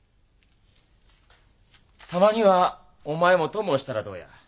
たまにはお前も供をしたらどうや。